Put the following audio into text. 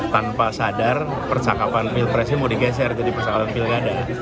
tanpa sadar percakapan pilpres ini mau digeser jadi percakapan pilgada